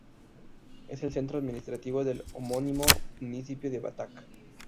Es el centro administrativo del homónimo municipio de Batak.